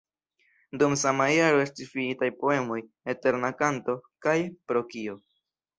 Dum sama jaro estis finitaj poemoj "Eterna kanto" kaj "Pro kio?".